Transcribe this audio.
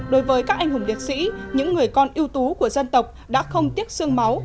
đối với các anh hùng liệt sĩ những người con yêu tú của dân tộc đã không tiếc sương máu